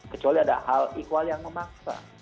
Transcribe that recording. kecuali ada hal ikhwal yang memaksa